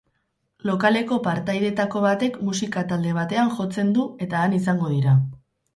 Lokaleko partaidetako batek musika talde batean jotzen du eta han izango dira.